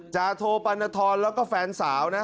จาโทบัณฑธรและก็แฟนสาวนะ